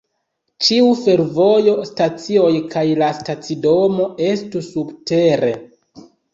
Ĉiu fervojo, stacioj kaj la stacidomo estu subtere.